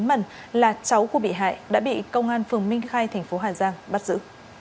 lê minh đức xin mần là cháu của bị hại đã bị công an phường minh khai thành phố hà giang bắt giữ